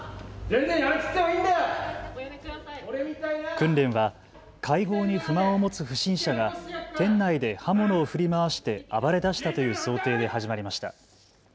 訓練は会合に不満を持つ不審者が店内で刃物を振り回して暴れだしたという想定で始まりました。